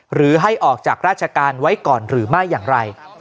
หรือให้ออกจากราชการไว้ก่อนหรือไม่อย่างไร